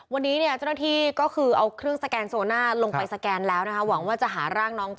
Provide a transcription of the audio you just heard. วันนี้เนี่ยเจ้าหน้าที่ก็คือเอาเครื่องสแกนโซน่าลงไปสแกนแล้วนะคะหวังว่าจะหาร่างน้อง